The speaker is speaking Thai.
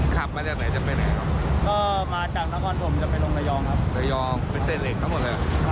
ขับมาจากไหนจะไปไหนครับก็มาจากน้ำวันธมจะไปลงระยองครับ